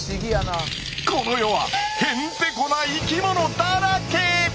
この世はへんてこな生きものだらけ。